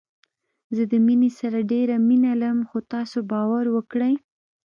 زه د مينې سره ډېره مينه لرم خو تاسو باور وکړئ